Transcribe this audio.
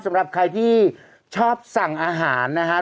สำหรับใครที่ชอบสั่งอาหารนะครับ